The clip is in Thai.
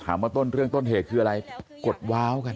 ว่าต้นเรื่องต้นเหตุคืออะไรกดว้าวกัน